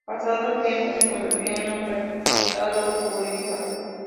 Pasado el tiempo se convertirá en un reputado jurista.